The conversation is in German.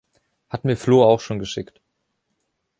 Hat mir Flo auch schon geschickt.